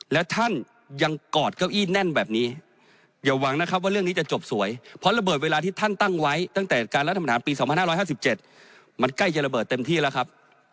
และท่านยังกอดเก้าอี้แน่นแบบนี้อย่าหวังนะครับว่าเรื่องนี้จะจบสวยเพราะระเบิดเวลาที่ท่านตั้งไว้ตั้งแต่การรัฐมนปี๒๕๕๗มันใกล้จะระเบิดเต็มที่แล้วครับ